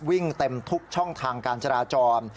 วิ่งเต็มทุกช่องทางการจราจร